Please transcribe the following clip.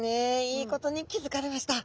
いいことに気付かれました。